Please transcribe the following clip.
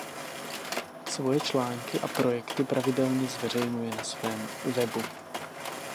Svoje články a projekty pravidelně zveřejňuje na svém webu.